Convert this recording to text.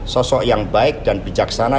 sosok yang baik dan bijaksana